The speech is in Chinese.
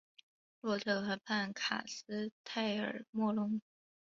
洛特河畔卡斯泰尔莫龙。